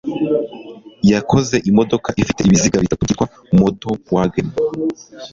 yakoze imodoka ifite ibiziga bitatu byitwa Motorwagen